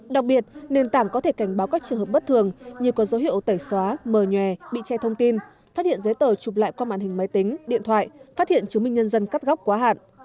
đặc biệt nền tảng có thể cảnh báo các trường hợp bất thường như có dấu hiệu tẩy xóa mờ nhòe bị che thông tin phát hiện giấy tờ chụp lại qua màn hình máy tính điện thoại phát hiện chứng minh nhân dân cắt góc quá hạn